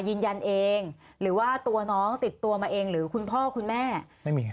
ยืนยันเองหรือว่าตัวน้องติดตัวมาเองหรือคุณพ่อคุณแม่ไม่มีไง